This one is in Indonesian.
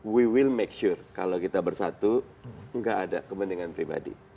we will make sure kalau kita bersatu nggak ada kepentingan pribadi